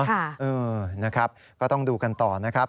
เออนะครับก็ต้องดูกันต่อนะครับ